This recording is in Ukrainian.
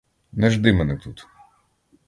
Не жди мене тут!